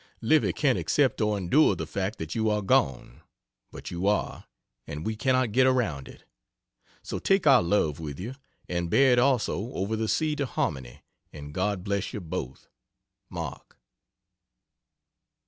Livy can't accept or endure the fact that you are gone. But you are, and we cannot get around it. So take our love with you, and bear it also over the sea to Harmony, and God bless you both. MARK.